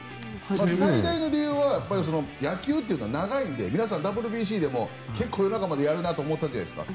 最大の理由は野球というのは長いので皆さん、ＷＢＣでも結構夜中までやるなと思ったじゃないですか。